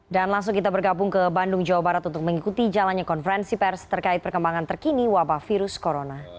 dan langsung kita bergabung ke bandung jawa barat untuk mengikuti jalannya konferensi pers terkait perkembangan terkini wabah virus corona